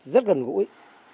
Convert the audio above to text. rất gần gũi